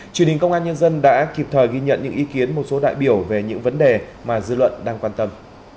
truyền hình công an nhân dân đã kịp thời ghi nhận những ý kiến một số đại biểu về những vấn đề mà dư luận đang quan tâm